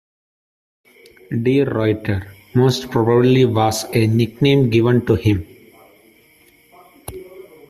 "De Ruyter" most probably was a nickname given to him.